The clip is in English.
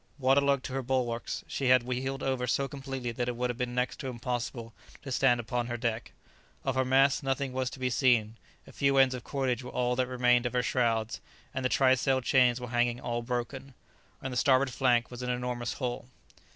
Water logged to her bulwarks, she had heeled over so completely that it would have been next to impossible to stand upon her deck. Of her masts nothing was to be seen; a few ends of cordage were all that remained of her shrouds, and the try sail chains were hanging all broken. On the starboard flank was an enormous hole.